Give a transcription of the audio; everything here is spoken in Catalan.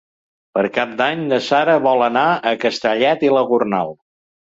Per Cap d'Any na Sara vol anar a Castellet i la Gornal.